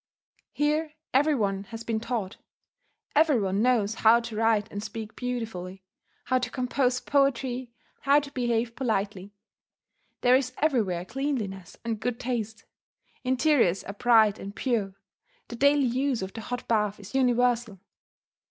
Here every one has been taught; every one knows how to write and speak beautifully, how to compose poetry, how to behave politely; there is everywhere cleanliness and good taste; interiors are bright and pure; the daily use of the hot bath is universal.